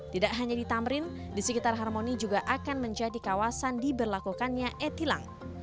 tidak hanya di tamrin di sekitar harmoni juga akan menjadi kawasan diberlakukannya e tilang